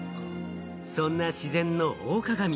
そんな自然の大鏡。